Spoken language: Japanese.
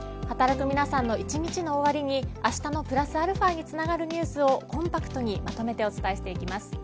働く皆さんの一日の終わりにあしたのプラスαにつながるニュースをコンパクトにまとめてお伝えしていきます。